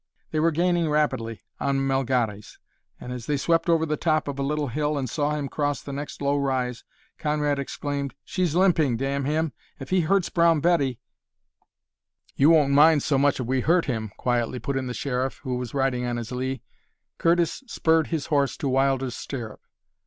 They were gaining rapidly on Melgares and, as they swept over the top of a little hill and saw him cross the next low rise, Conrad exclaimed, "She's limping, damn him! If he hurts Brown Betty " "You won't mind so much if we hurt him," quietly put in the Sheriff, who was riding on his lee. Curtis spurred his horse to Wilder's stirrup.